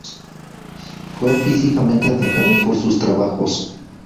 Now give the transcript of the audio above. Fue físicamente atacado por sus trabajos.